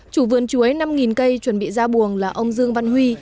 chủ vườn chuối năm cây chuẩn bị ra buồng là ông dương văn huy